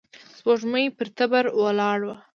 سپوږمۍ پر تبر ولاړه وه.